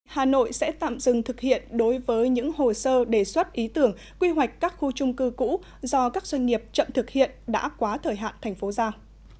hà nội sẽ tạm dừng thực hiện đối với những hồ sơ đề xuất ý tưởng quy hoạch các khu trung cư cũ do các doanh nghiệp chậm thực hiện đã quá thời hạn thành phố giao